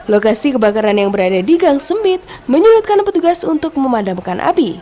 lokasi kebakaran yang berada di gang sempit menyulitkan petugas untuk memadamkan api